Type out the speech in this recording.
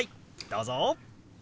どうぞ。